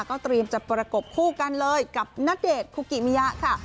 ก็เตรียมจะประกบคู่กันเลยกับณเดชน์คุกิมิยะค่ะ